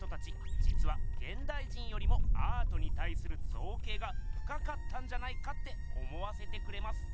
じつはげんだい人よりもアートにたいするぞうけいがふかかったんじゃないかって思わせてくれます。